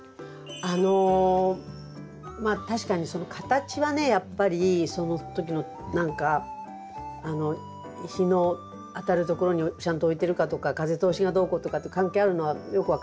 あのまあ確かにその形はねやっぱりその時の何か日の当たるところにちゃんと置いてるかとか風通しがどうこうとかと関係あるのはよく分かるんですけど。